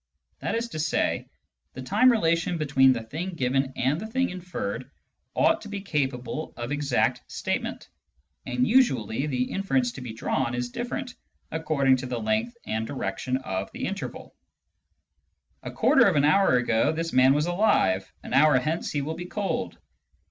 That is to say, the time relation between the thing given and the thing inferred ought to be capable of exact statement ; and usually the inference to be drawn is diiFerent according to the length and direction of the interval. " A quarter of an hour ago this man was alive ; an hour hence he will be cold."